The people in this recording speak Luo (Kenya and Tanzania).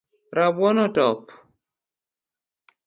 Rabuon otop